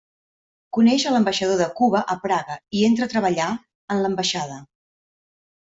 Coneix a l'ambaixador de Cuba a Praga i entra a treballar en l'ambaixada.